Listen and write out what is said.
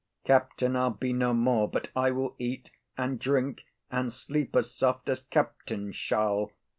Captain I'll be no more, But I will eat, and drink, and sleep as soft As captain shall.